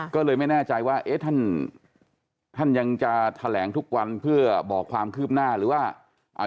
ก็เลยไม่แน่ใจว่าเอ๊ะท่านท่านยังจะแถลงทุกวันเพื่อบอกความคืบหน้าหรือว่าอ่า